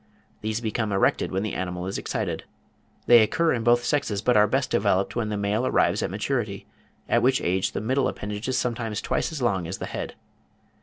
These become erected when the animal is excited. They occur in both sexes, but are best developed when the male arrives at maturity, at which age the middle appendage is sometimes twice as long as the head.